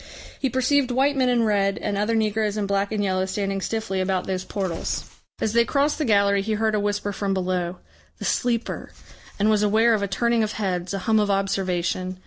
He perceived white men in red and other negroes in black and yellow standing stiffly about those portals. As they crossed the gallery he heard a whisper from below, "The Sleeper," and was aware of a turning of heads, a hum of observation.